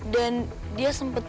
dan dia sempet